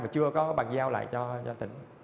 và chưa có bàn giao lại cho tỉnh